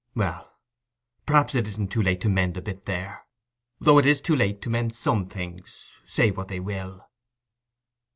"Well, perhaps it isn't too late to mend a bit there. Though it is too late to mend some things, say what they will."